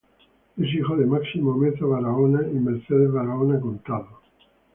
Es hijo de Máximo Meza Barahona y Mercedes Barahona Contado.